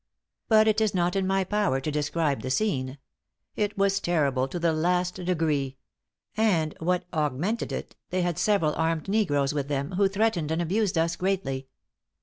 But it is not in my power to describe the scene: it was terrible to the last degree; and what augmented it, they had several armed negroes with them, who threatened and abused us greatly.